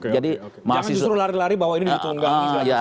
jangan justru lari lari bahwa ini dihitungkan